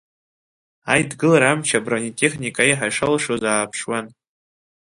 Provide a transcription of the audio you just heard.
Аидгылара амч абронетехника аиҳа шалшоз ааԥшуан.